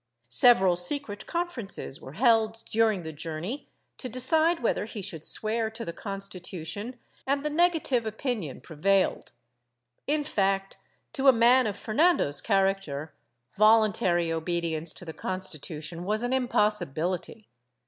Several secret conferences were held during the journey to decide whether he should swear to the Constitution, and the negative opinion pre vailed. In fact, to a man of Fernando's character, voluntary obedience to the Constitution was an impossibility.